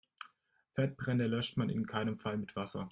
Fettbrände löscht man in keinem Fall mit Wasser.